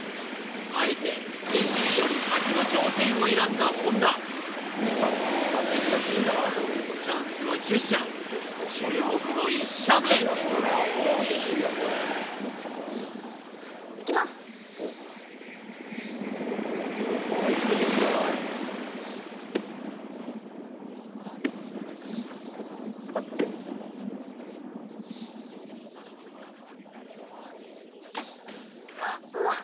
あえてジェシーより先の挑戦を選んだ本田注目の１射目うわっ